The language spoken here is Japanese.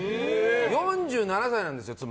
４７歳なんですよ、妻。